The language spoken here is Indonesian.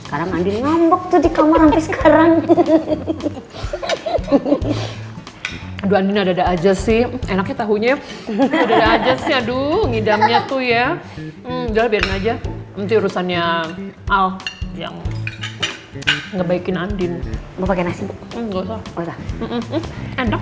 aduh aduh ngidamnya tuh ya udah biarin aja nanti urusannya al yang ngebaikin andin enak